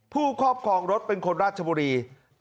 ครอบครองรถเป็นคนราชบุรี